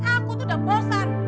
aku tuh udah bosan